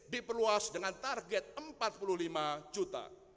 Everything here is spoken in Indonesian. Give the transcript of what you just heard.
diperluas dengan target empat puluh lima juta